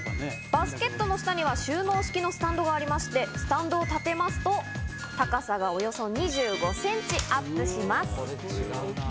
バスケットの下には収納式のスタンドがありまして、スタンドを立てますと高さがおよそ２５センチアップします。